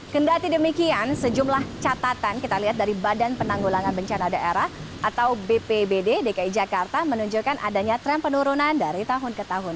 kendati demikian sejumlah catatan kita lihat dari badan penanggulangan bencana daerah atau bpbd dki jakarta menunjukkan adanya tren penurunan dari tahun ke tahun